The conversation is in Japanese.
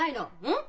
うん？